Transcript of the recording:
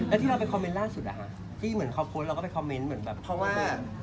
แล้วที่เราไปคอมเมนต์ล่าสุดที่เหมือนเขาโพสต์เราก็ไปคอมเมนต์เหมือนแบบเพราะว่า